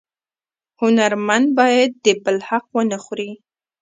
هنرمن باید د بل حق ونه خوري